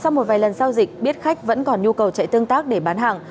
sau một vài lần giao dịch biết khách vẫn còn nhu cầu chạy tương tác để bán hàng